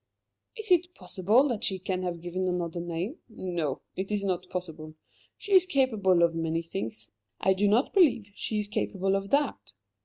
"Is it possible that she can have given another name? No, it is not possible. She is capable of many things. I do not believe she is capable of that."